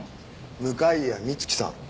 向谷美月さん。